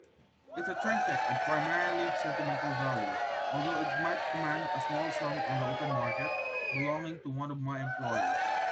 It's a trinket of primarily sentimental value, although it might command a small sum on the open market, belonging to one of my employers.